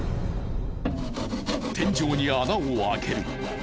天井に穴を開ける。